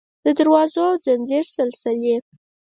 د دروازو او د ځنځیر سلسلې